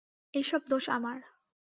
এই সব দোষ আমার।